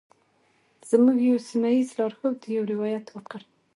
زموږ یوه سیمه ایز لارښود یو روایت وکړ.